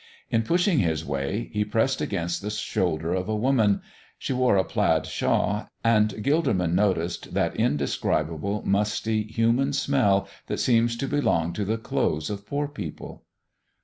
In pushing his way he pressed against the shoulder of a woman. She wore a plaid shawl, and Gilderman noticed that indescribable, musty, human smell that seems to belong to the clothes of poor people.